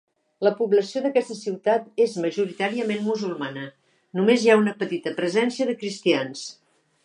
La població d'aquesta ciutat és majoritàriament musulmana, només hi ha una petita presència de cristians.